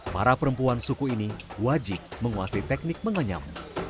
para perempuan suku ini wajib menguasai teknik menganyam